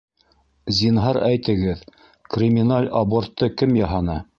Зинһар әйтегеҙ: криминаль абортты кем яһаны?